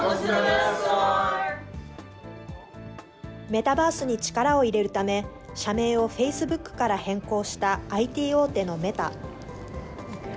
メタバースに力を入れるため、社名をフェイスブックから変更した、ＩＴ大手のメタ。